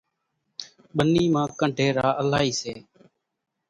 ٻنِي مان ڪنڍيرا الائِي سي۔